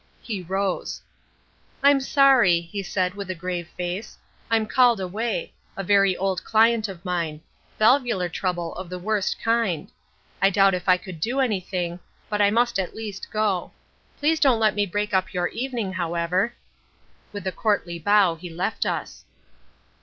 He rose. "I'm sorry," he said, with a grave face. "I'm called away; a very old client of mine. Valvular trouble of the worst kind. I doubt if I can do anything, but I must at least go. Please don't let me break up your evening, however." With a courtly bow he left us.